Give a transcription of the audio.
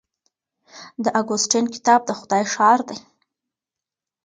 د اګوستین کتاب د خدای ښار دی.